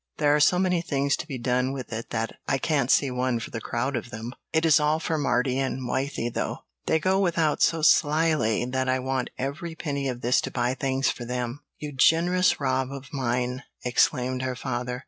"There are so many things to be done with it that I can't see one for the crowd of them. It is all for Mardy and Wythie, though. They go without so slyly that I want every penny of this to buy things for them." "You generous Rob of mine!" exclaimed her father.